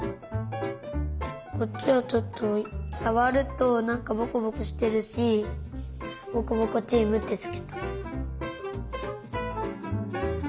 こっちはちょっとさわるとなんかボコボコしてるしボコボコチームってつけた。